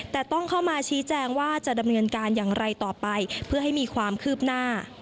แต่ต้องเข้ามาชี้แจงว่าจะดำเนินการอย่างไรต่อไปเพื่อให้มีความคืบหน้า